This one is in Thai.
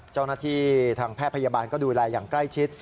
เจ้านาทีทางแพทยบาลก็ดูแลอย่างใกล้ชิด